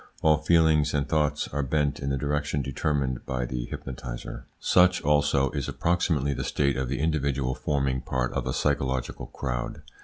All feelings and thoughts are bent in the direction determined by the hypnotiser. Such also is approximately the state of the individual forming part of a psychological crowd.